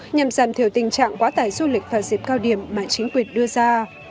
nhằm giảm thiểu tình trạng quá tải du lịch vào dịp cao điểm mà chính quyền đưa ra